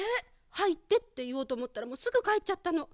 「はいって」っていおうとおもったらもうすぐかえっちゃったの。